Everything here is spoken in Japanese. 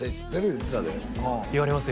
言うてたで言われます